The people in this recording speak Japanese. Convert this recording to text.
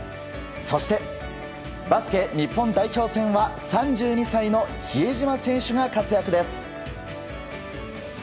そして、バスケ日本代表戦は３２歳の比江島選手が活躍です。